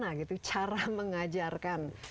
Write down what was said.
bagaimana cara mengajarkan